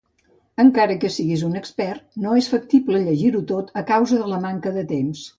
Encara que siguis un expert, no és factible llegir-ho tot a causa de la manca de temps.